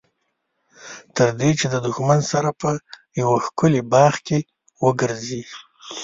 تر دې چې د دښمن سره په یوه ښکلي باغ کې وګرځي.